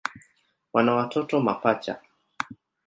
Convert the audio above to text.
Wana watoto mapacha.